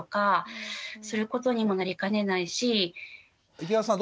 池田さん